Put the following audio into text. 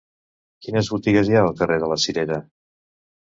Quines botigues hi ha al carrer de la Cirera?